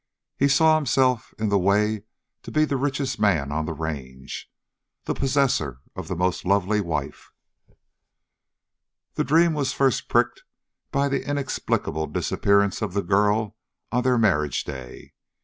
He saw himself in the way to be the richest man on the range, the possessor of the most lovely wife. That dream was first pricked by the inexplicable disappearance of the girl on their marriage day.